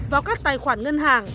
vào các tài khoản ngân hàng